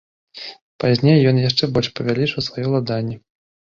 Пазней ён яшчэ больш павялічыў свае ўладанні.